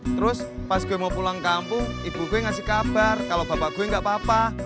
terus pas gue mau pulang kampung ibu gue ngasih kabar kalau bapak gue gak apa apa